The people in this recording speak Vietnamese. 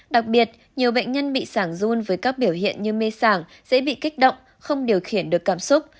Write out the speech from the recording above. đặc biệt nhiều bệnh nhân bị sảngun với các biểu hiện như mê sảng dễ bị kích động không điều khiển được cảm xúc